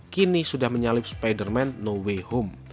kini sudah menyalip spiderman no way home